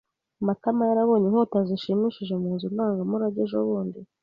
Matama yarabonye inkota zishimishije mu nzu ndangamurage ejobundi.